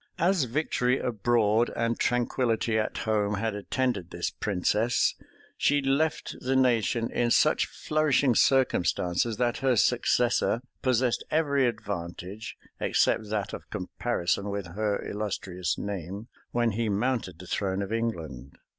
As victory abroad and tranquillity at home had attended this princess, she left the nation in such flourishing circumstances, that her successor possessed every advantage, except that of comparison with her illustrious name, when he mounted the throne of England.